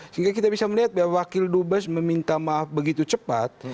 sehingga kita bisa melihat bahwa wakil dubes meminta maaf begitu cepat